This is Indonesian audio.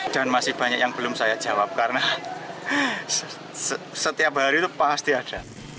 dan masih banyak yang belum saya jawab karena setiap hari itu pasti ada